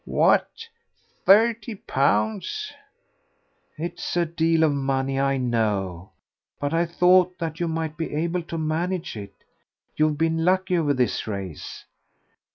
"What! thirty pounds?" "It's a deal of money, I know; but I thought that you might be able to manage it. You've been lucky over this race."